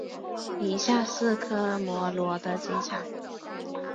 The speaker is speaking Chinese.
以下是科摩罗的机场。